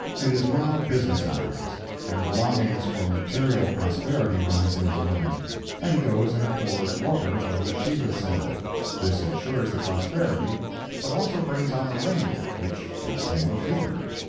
It is now business hours, and longings for material prosperity rise in his mind, and he goes and pours water over Shiva's symbol; this insures the prosperity, but also brings on a rain, which gives him a fever.